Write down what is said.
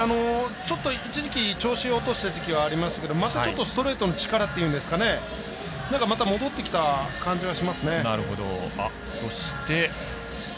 一時期調子を落とした時期はありますがまたちょっとストレートの力っていうんですかまた戻ってきた感じしますね。